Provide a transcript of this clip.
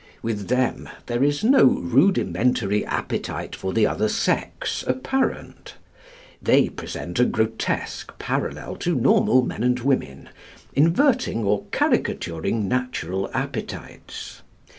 With them there is no rudimentary appetite for the other sex apparent. They present a "grotesque" parallel to normal men and women, inverting or caricaturing natural appetites.